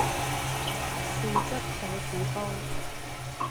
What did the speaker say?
豉汁茄子煲